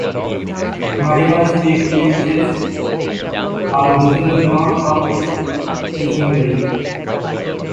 Medieval strip lynchets are visible north of East Chisenbury.